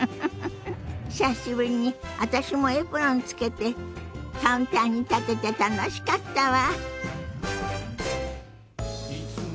久しぶりに私もエプロンつけてカウンターに立てて楽しかったわ。